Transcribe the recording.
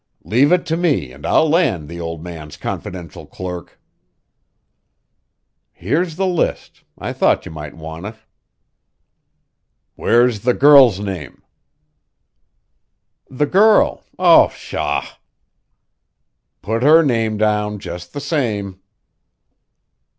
Leave it to me, and I'll land the old man's confidential clerk." "Here's the list. I thought you might want it." "Where's the girl's name?" "The girl! Oh, pshaw!" "Put her name down just the same."